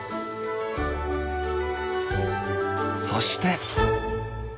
そして。